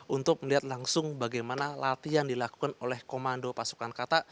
untuk melihat langsung bagaimana latihan dilakukan oleh komando pasukan kata